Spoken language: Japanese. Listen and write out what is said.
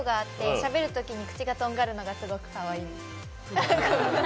しゃべるときに口がとんがるのがすごくかわいい。